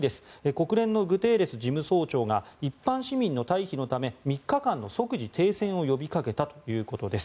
国連のグテーレス事務総長が一般市民の退避のため３日間の即時停戦を呼びかけたということです。